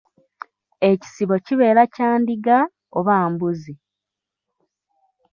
Ekisibo kibeera kya ndiga oba mbuzi?